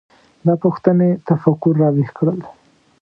دا پوښتنې تفکر راویښ کړل.